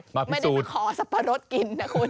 มาพิสูจน์ไม่ได้มาขอสัปปะรดกินนะคุณ